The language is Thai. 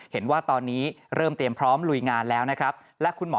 เห็นว่าตอนนี้เริ่มเตรียมพร้อมลุยงานแล้วนะครับและคุณหมอ